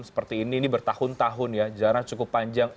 seperti ini bertahun tahun jalan cukup panjang